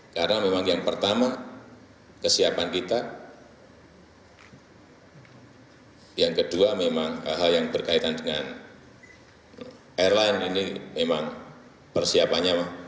karena memang yang pertama kesiapan kita yang kedua memang hal hal yang berkaitan dengan airline ini memang persiapannya